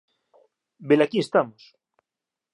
Velaquí estamos.